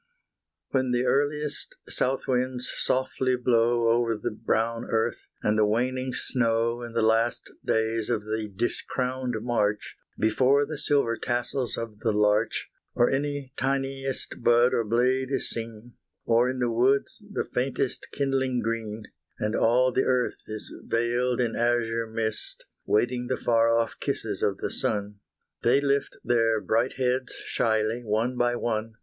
When the earliest south winds softly blow Over the brown earth, and the waning snow In the last days of the discrowned March, Before the silver tassels of the larch, Or any tiniest bud or blade is seen; Or in the woods the faintest kindling green, And all the earth is veiled in azure mist, Waiting the far off kisses of the sun, They lift their bright heads shyly one by one.